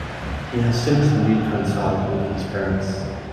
He has since reconciled with his parents.